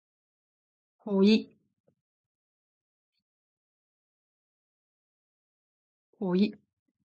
ぽい